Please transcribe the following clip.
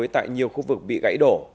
tại nhiều khu vực bị gãy đổ